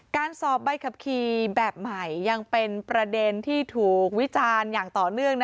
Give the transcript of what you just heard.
การสอบใบขับขี่แบบใหม่ยังเป็นประเด็นที่ถูกวิจารณ์อย่างต่อเนื่อง